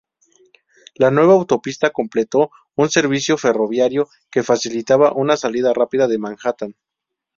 La nueva autopista complementó un servicio ferroviario que facilitaba una salida rápida de Manhattan.